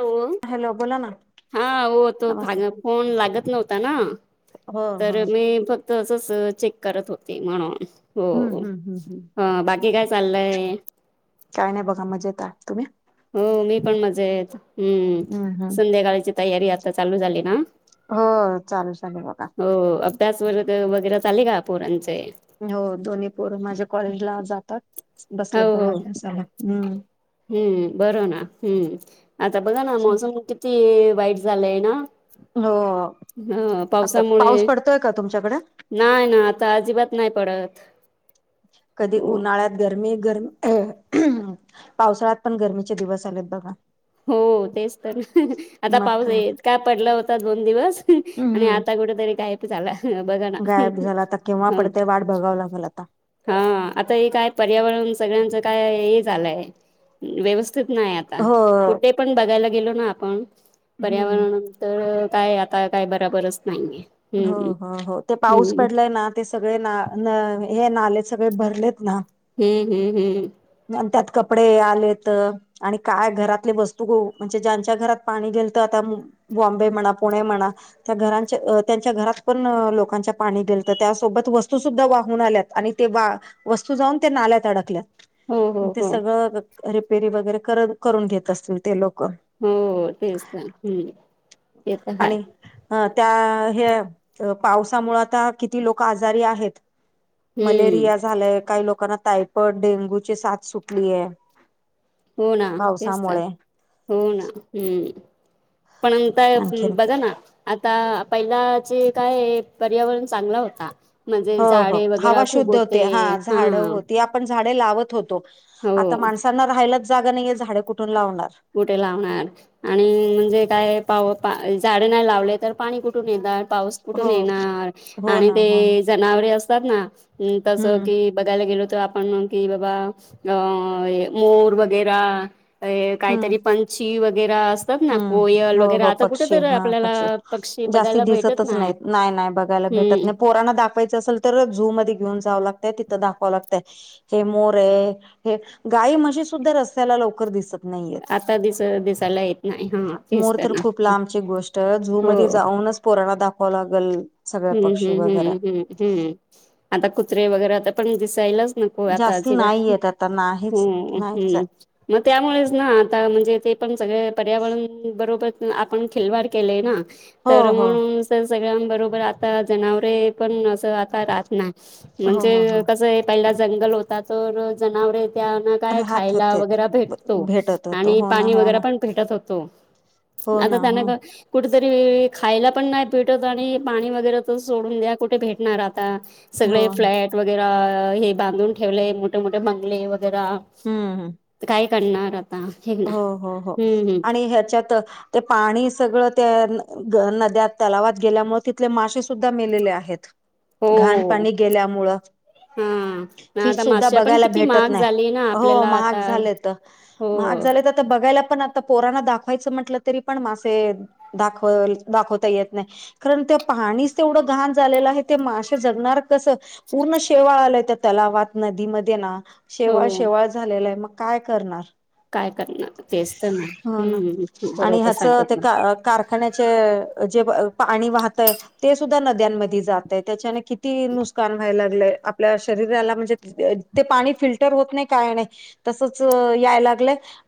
हो हॅलो बोला. ना हा हो तो नमस्ते फोन लागत नव्हता ना हो हो तर मी फक् तसच चेक करत होते म्हणून हो हम्म हम्म हम्म हम्म बाकी काय? चलायं. काय नाही बघा मजेत तुम्ही? हो मी पण मजेत हमम हम्म हम्म संध्याकाळची तयारी आता चालू झाली ना. होय चालू संध्याकाळ हो अभ्यास व वगैरे चाले का पोरांचे हो दोन्ही पोर माझ्या कॉलेजला जातात हो बसले हो बघा अभ्यासाला हम् हम्म बरं ना हम्म आता बघा ना मोसम किती वाईट झालंय ना हो ह आता पावसामुळे पाऊस पडतोय का तुमच्याकडे नाही ना आता अजिबात नाही पडत कधी हो उन्हाळ्यात गरमी गरम अ पावसाळ्यात पण गरमीचे दिवस आलेत बघा हो तेच आता मग पाऊस काय तर. येत का पडला होता दोन दिवस आणि आता हम्म कुठेतरी काय ला बघा ना किं्हा हं. पडते वाट बघावं लागल आता हा आता हे काय पर्यावरण सगळ्यांचं काय हे झालंय व्यवस्थित नाही आता हो कुठे पण बघायला गेलो ना आपण हम्म पर्यावरण तर काय आता काय बराबरच नाहीये हो हम्म हो हो ते पाऊस हम्म पडलाय ना ते सगळे ना हे नाले सगळे भरलेत ना हम्म हम्म हम्म त्यात कपडे आले तर आणि काय घरातले वस्तू ग म्हणजे ज्यांच्या घरात पाणी गेल तर आता बॉम्बे म्हणा पुणे म्हणा त्या घरांच्या त्यांच्या घरात पण लोकांच्या पाणी गेलत त्यासोबत वस्तू सुुद्धा वाहून आल्यात आणि ते बा वस्तू जाऊन त्या नाल्यात अडकल्यात हो हो ते हो सगळं रिपेरी वगैरे कर करून घेत असतील ते लोक हो तेच् ते तर हाय आणि अ त्या हे पावसामु आता किती लोक आजारी आहेत हम्म मलेरिया झालंय काही लोकांना तायफॉइड डेंग्यूची साथ सुटलीय हो ना तेच हो ना हम्म आणखीन काय [unintelligible] आता पहिला ज काय पर्यावरण चांगला होता म्हणजे हो हो झाडे वगैरे हवा खूप शुद्ध होते हा झाड होती आपण झाडे लावत होतो हो आता माणसांना राहायलाच जागा नाहीये झाडे कुठून लावणार कुठे लावणार, आणि म्हणजे काय पा झाडे नाही लावले तर पाणी कुठून येणार पाऊस कुठून हो येणार हो आणि ना हो ना. ते जनावरे असतात ना तस हम्म की बघायला गेलोत आपण की बाबा मोर वगैरा हम्म काहीतरी पंछी वगैरे असे असत ना हम्म कोयल हो वगैरे हो आता पक्षी कुठेतरी हा आपल्याला पक्षी पक्षी जास्ती बघायला भेटत दिसतच ना नाहीत नाही नाही बघायला भेटत नाही पोराना दाख चं असेल तर ज झू मध्ये घेऊन जावं लागतय तिथ दावाव लागतय हे मोरे हे गाई म्हशी सुद्धा रस्त्याला लवकर दिसत नाही येत आता दिस दिसायला येत नाही हा तेच मोर तर ना खूप लांबची गोष्ट झू हो मध्ये जाऊनच पोराणा दाखवा लागेल हम्म हम्म हम्म् हम्म हम्म आता कुत्रे वगैरे आ पण दिसायलाच ना को आता जास्ती जेवा नाही येत आता नाहीच नाहीच आहे मग त्यामुळेच ना आता म्हणजे ते पण सगळे पर्यावरण बरोबर आपण खिलवाड केलेय ना हो तर हो म्हणून सगळ्यां बरोबर आता जनावरे पण अस आता राहत नाही हो हो म्हणजे हो कस आहे पहिला जंगल होता तर जनावरे त्या काय राहत खायला होते वगै भेटतो भेटत होतो आणि हो ना पाणी हो वगैरे ना पण भेटत होतो हो आता ना त्यांना हो कुठेतरी खायला पण नाही भेटत आणि पाणी वगैरे तर सोडून द्या कुठे भेटणार आता हो सगळे फ्लॅट वगैर हे बांधून ठेवले मोठे मोठे बंगले वगैरा हम् ह काय करणार हे ना हो हो हो हम्म हम्म आणि ह्यांच्यात ते पाणी सगळं त्या नद्यात तलावात गेल्यामुळे तिथले मासेे सुुद्धा मेलेले आहेत घाण हो पाणी गेल्यामुळं हा. ना फिश आता सुद्धा माश्या पण बघायला किती भेटत महाग नाही झाली ना हो आपल्याला महाग आता झाले तर हो महाग झाले तर आता बघायला पण आता पोराना दाखवायचं म्हटलं तरी पण मासे दाखव दाखवता येत नाही कारण त्या पाणीच तेवढं घाण झालेलं आहे ते माश्या जगणार कस पूर्ण शेवाळ आलंय त्या तलावात नदीमध्ये ना हो. शेवाळ शेवाळ झालेलं आहे मग काय करणार काय करणार? तेच तर हो ना बरोबर सांगतिला कारखान्याच्या जे पाणी वाहतय ते सुद्धा नद्यानमध्ये मध्ये जातंय त्याच्याने कि ती नुसकान व्हायला लागलंय आपल्या शरीराला म्हणजे ते पाणी फिल्टर होत नाही काय नाही तसच, यायला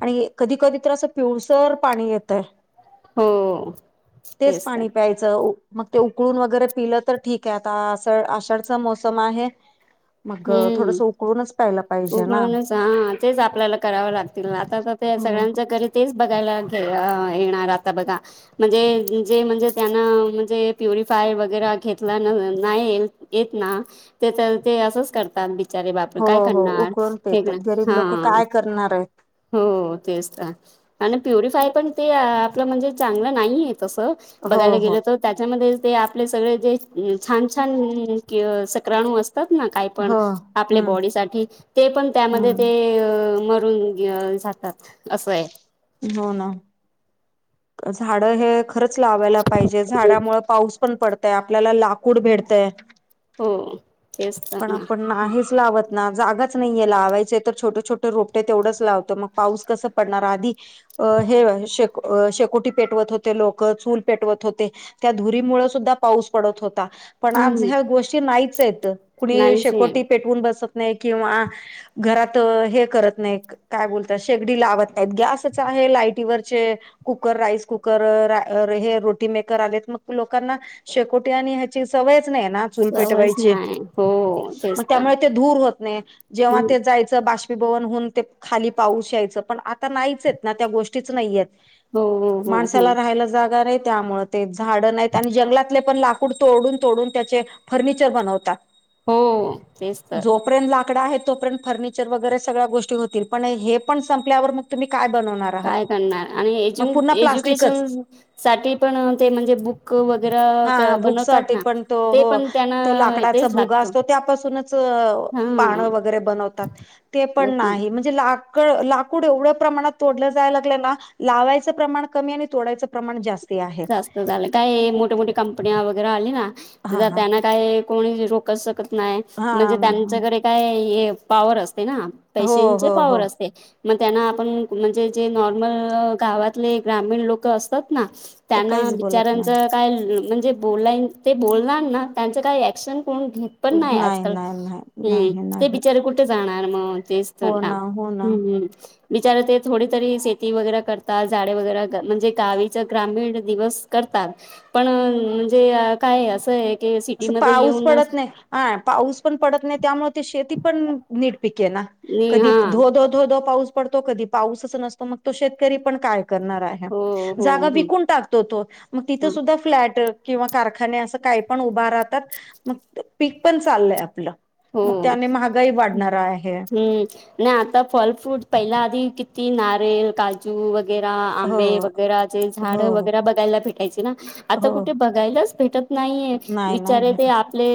आणि कधी कधी तर अस पिळसर पाणी येतय हो. तेच पाणी प्यायचे मग ते उकळून वगैरे पिलं तर ठीक आहे आता आषाढच मोसम आहे [unintelligible] मग थोडसं उकळूनच प्यायला पाहिजे ना ह तेच आपल्याला करावं लागतील ना आता तर ते हो सगळ्यांच्या घरी तेच बघायला घे येणार आता बघा म्हणजे जे म्हणजे त्यांना म्हणजे प्युरिफायर वगैरे घेतला नाही येत ना ते तर ते असंच करतात विचारे बापरे हो काय हो करणार? उकळून क पेतात ना गरीब लोक हा काय करणार आहेत हो तेच तर आणि प्युरिफायर पण ते आपलं म्हणजे चांगलं नाही आहे तसं हो बघायला हो गेलं तर त्याच्यामध्ये ते आपले सगळे जे छान छान सक्राणू असतात ना काही हो आपल्या हम्म बॉडी साठी ते पण त्यामध्ये ते हम्म मरून जातात असं आहे हो ना झाड हे खरंच लावायला पाहिजे झाडामुळे पाऊस पण पडतय आपल्याला लाकूड भेटतय हो तेच तर पण ना आपण नाहीच लावत ना जागाच नाहीये लावायच तर छोटे छोटे रोपटे तेवढंच लावतं मग पाऊस कसं पडणार आधी अ हे शे शेकोटी पेटवत होते लोकं चूल पेटवत होते त्या धुरीमुळे सुद्धा पाऊस पडत होता पण आज हम्म ह्या गोष्टी नाहीच हेत कुणी नाहीच आहे शेकोटी पेटवून बसत नाही किंवा घरात हे करत नाही काय बोलता शेगडी लावत नाही गॅसच आहे लायटीवरचे कुकर राईस कुकर हे रोटी मेकर आले मग लोकांना शेकोटी आणि ची सवयच नाही ना चूल सवयच पेटवायची नाही हो मग तेच तर त्यामुळे ते धूर होत नाही जेव्हा हं. ते जायचं बाष् भवन होऊन ते खाली पाऊस यायचं पण आता नाहीचेत ना त्या गोष्टीच नाहीय आहेत हो हो हो हो माणसाला राहायला जागा नाही त्यामुळ झाड नाही आणि जंगलातले पण लाकूड तोडून तोडून त्याचे फर्निचर बनवतात. हो तेच तर जोपर्यंत लाकड आहेत तोपर्यंत फर्निचर वगैरे सगळ्या गोष्टी होतील पण हे पण संपल्यावर मग तुम्ही काय बनवणार काय आहात करणार आणि मग पुन्हा प्लास्टिकच एज्युकेशन साठी पण ते म्हणजे बुक वगैरे बनवतात ना त ते हो पण त्यांना तो लाकडाचा तेच भुगा लागतं असतो त्यापासूनच हा पाण वगैरे बनवतात ते पण होत ना नाही म्हणजे लाकड लाकूड एवढ्या प्रमाणात तोडलं जाय लागलं ना लावायच प्रमाण कमी आणि तोडाचं प्रमाण जास् जास्त झालं काही मोठ मोठी कंपन वगैरे आली ना हा तर हा त्यांना काय कोणी रोखत शकत नाही हा म्हणजे ना हा. त्यांच्याकडे काय पॉवर असते ना हो पैशांचे हो पावर हो असते मग त्यांना आपण म्हणजे जे नॉर्मल गावातले ग्रामीण लोक असतात ना ते त्यांना काहीच बोलत बिचारांच नाही काय म्हणजे बोलाय ते बोलणार ना त्यांचं काय ऍक्शन कोण घेत पण नाही आजकाल नाही नाही हम् नाही ते नाही बिचारे कुठे जाणार मग ते हो ता ना हो ना हम्म हम् विचार ते थोडी तरी शेती वगैरे करतात झाडे वगैरे म्हणजे गावीच ग्रामीण दिवस करतात पण म्हणजे काय असं की असं सिटीमध्ये पाऊस येऊन ना पडत नाही हा पाऊस पण पडत नाही त्यामुळे ते शेती पण नीट पिके ना कधी हा धोधो धोधो पाऊस पडतो कधी पाऊस अस नसतो मग तो शेतकरी पण काय हो हो ा व टाकतोग तिथ ह सुा फ्लॅट किंवा कारखाने असं काही पण उभा राहतात मग पीक पण चाललंय आपलं हो मग त्याने महागाई वाढणारा आहे हम्म नाही आता फॉल फ्रूट पहिला आधी किती नारल काजू वगैर हो आंबे वगैर जे झाड हो वगैरे बघायला भेटायचे ना आता हो कुठे बघायलाच भेटत नाहीये नाही नाही विचारे ते भेटत आपले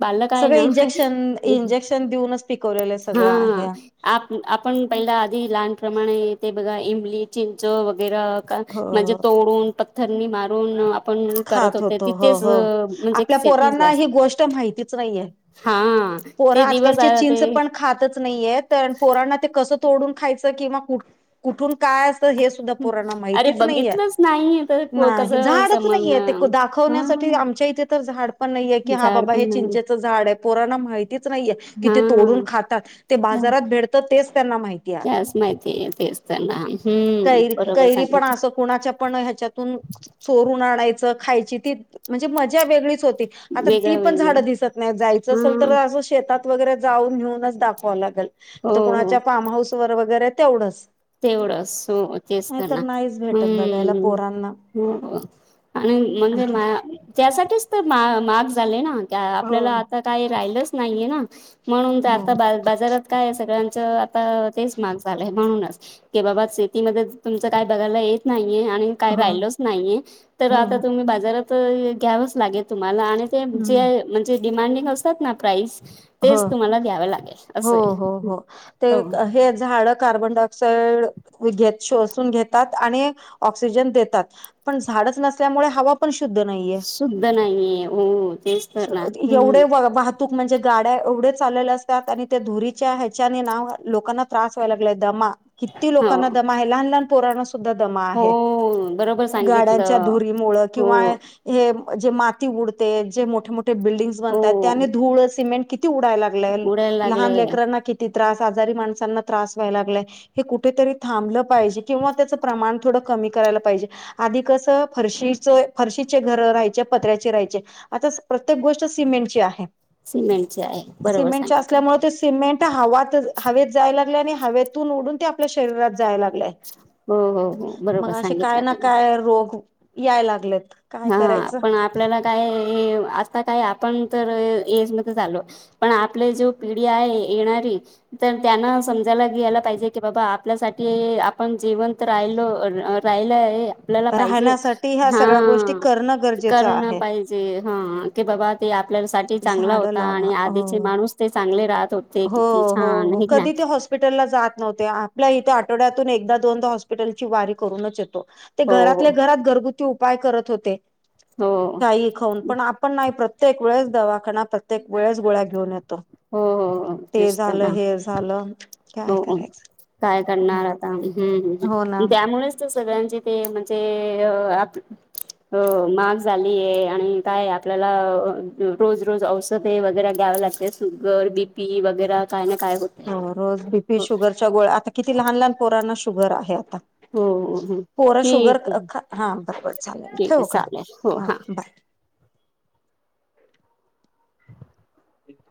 बालक आहे सगळं ना इंजेक्शन इंजेक्शन देऊनच पिकवलेलं हा सगळं आहे आप आपण पहिला आधी लहानप्रमाणे ते बघा इमली चिंच वगैरे म्हणजे हो तोडून पथथरनी मारून आपण करत खात होते होतो हो तिथेच -हो म्हणजे आपल्या पोरांना शेतीला ही गोष्ट माहितीच नाहीये. हा [inaudible] पोर ते दिवस आजकालचे आ ते चचींच पण खातच नाहीय पोरांना ते कस तोडून खायच. किंवा कुठून काय अस हे सुद्धा पोराना अरे माहितीच नाहीय. बघितलंच नाही तर नाही कसं झाड नाही. समजण दाखवण्यासाठी हा आमच्या इथे तर झाड पण नाहीेये. की हा झाड बाबा पण हे नाही चिंचेचं झाडे. पोरांना माहिती नाहीये की ते तोडून हा खातात. ते बाजारात भेटत तेच त्यांना माहिते. त्याच माहिती. तेच त् ना. हम्म. बरोबर सांगतल. कणाच्या प ह्याच्यातून चोरून आणायचं खायची ती म्हणजे मजा वेगळीच होती. आता ती वेगळं पण झाड वेगळं दिसत नाही. जायच हा असेल तर अस शेतात वगैरे जाऊन, घेऊन दाखवा लागेल. हो आता हो कोणाच्या फार्म हाऊस वर. वगैरे तेवढंच. तेवढं. हो तेच त नाही ना. तर नाहीच भेटत बघायला हम्म. पोरांना हो, आणि म्हणजे आणखी मा त्यासाठीच तर मा माहाग झाले ना? हो आपल्याला आता काही राहिलंच नाहीये ना म्हणून हो आता बा बाजारात काय सगळ्यांच आता तेच माहाग झालंय म्हणूनच. की बाबा शेतीमध्ये तुमचं काय बघायला येत नाहीये. आणि काही हो राहिलच नाहीये. तर हो आता तुम्ही बाजारात घ्यावच लागेल तुम्हाला. आणि ते हम्म जे म्हणजे डिमांडिंग असतात ना. प्राईस तेच तुम्हाला द्यावे लागेल हो असं आहे हो हो हे झाड कार्बन डाय [unintelligible] घेत शसून घेतात आणि ऑक्सिजन देतात. पण झाडच नसल्यामुळे हवा शुद्ध नाहीये. शुद्ध नाहीये हो तेच तर ना हम्म एवढे वाहतूक म्हणजे गाड्या एवढ्या चालल्या असतात आणि त्या धुरीच्या ह्याच्याने नाव लोकांना त्रास व्हायला लागलाय दमा किती हो लोकांना दमाय. लहान लहान पोराण दमा हो आहे. बरोबर गाड्यांच्या सांगितलं धुरीमुळे हो किंवा हे जे माती उडते. जे मोठे मोठे बिल्डिंगज हो बनतात. त्याने धूळ सिमेंट किती उडायला लाग उडायला लागले लहान लेकरांना किती त्रास आजारी माणसांना त्रास व्हाय लागलाय. हे कुठेतरी थांबलं पाहिजे किंवा त्याचं प्रमाण थोडं कमी करायला पाहिजे. आधी कसं. फरशीच फरशीचे घर राहायचे. पत्र्याचे राहायचे. आता प्रत्येक गोष्ट सिमेंटची आहे. सिमेंटचे आहे. बरोबर सिमेंटच्या सांगितलं असल्यामुळे, ते सिमेंट हवा हवेत जायला आणि हवेतून उडून ते, आपल्या शरीरात जाय लागलेय. हो हो हो मग बरोबर असे काय सांगितलं ना तुम्ही काय. रोग याय लागलेत. काय हा करायचं पण आपल्याला काय असता काय आपण तर एज मध्ये झालो. पण आपली जो पिढी आहे येणारी. तर त्यांना समजायला घ्यायला पाहिजे की बाबा आपल्यासाठी आपण जेवंत राहिलो राहिलाय. आपल्याला पाहिजे. राहण्यासाठी ह्या सगळ्या गोष्टी हा. करणं गरजेचं करणा आहे पाहिजे. हा. की बाबा ते आपल्याला सा ठी चांगला झाडं होता. लावा आणि आधीचे हो माणूस ते चांगले राहत होते. हो किती हो छान हो हे ना कधी ते हॉस्प हॉस्पिटलला जात नव्हते आपल्या इथे आठवड्यातून एकदा दोनदा हॉस्पिटलची वारी करूनच येतो. ते हो घरातल्या घरात घरगुती उपाय करत होते. हो काही खाऊन हो पण आपण नाही प्रत्येक वेळेस दवाखाना प्रत्येक वेळेस गोळ्या घेऊन येतो. हो-हो -हो. ते तेच तर झालं. ना हे झालं. काय हो करायचं काय करणार आता्. हम्म हम्म हो हम्म. ना त्यामुळेच सगळ्यांचे ते म्हणजे आप हो महाग झालीये. आणि काय आपल्याला रोज रोज औषधे वगैरे घ्याव्या लागते. ते सुगर, बी पी वगैरे काय ना काय होत. रोज बीपी शुगरच्या गोळ आता किती लहान लहान पोराना शुगर आहे आता हो हो पोरा शुगर ठीक आहे ख हा बरोबर चालेल ठीक आहे ठेव का चालेल हो हां बाय एक